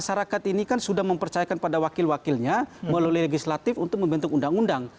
masyarakat ini kan sudah mempercayakan pada wakil wakilnya melalui legislatif untuk membentuk undang undang